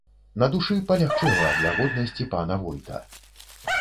На душы палягчэла ад лагоднасці пана войта.